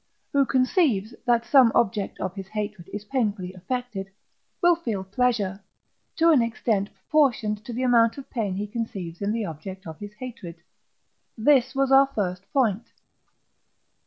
who conceives, that some object of his hatred is painfully affected, will feel pleasure, to an extent proportioned to the amount of pain he conceives in the object of his hatred. This was our first point.